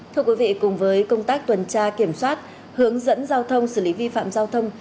thưa quý vị cùng với công tác tuần tra kiểm soát hướng dẫn giao thông xử lý vi phạm giao thông